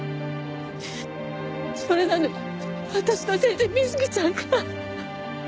それなのに私のせいで美月ちゃんが。